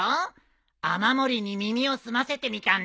雨漏りに耳を澄ませてみたんだ。